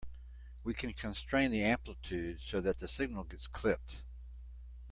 We can constrain the amplitude so that the signal gets clipped.